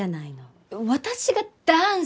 私がダンスを！？